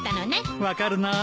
分かるな。